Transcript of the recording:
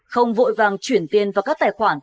không vội vàng chuyển tiền vào các tài khoản